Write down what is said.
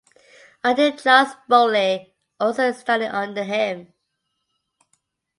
Andre Charles Boulle also studied under him.